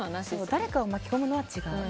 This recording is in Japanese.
誰かを巻き込むのは違う。